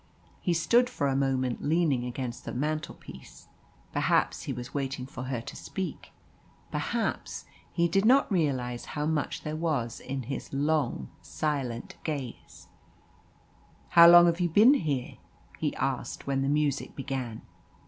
He stood for a moment leaning against the mantelpiece. Perhaps he was waiting for her to speak. Perhaps he did not realise how much there was in his long, silent gaze. "How long have you been here?" he asked, when the music began.